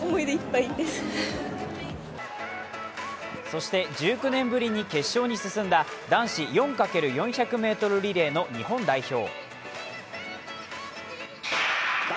そして１９年ぶりに決勝に進んだ男子４×４００ｍリレーの日本代表。